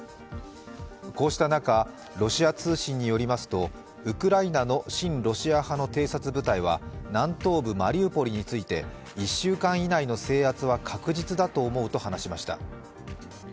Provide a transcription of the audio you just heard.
こうした中、ロシア通信によりますとウクライナの親ロシア派の偵察部隊は南東部マリウポリについて、１週間以内の制圧は確実だと思うと話しました。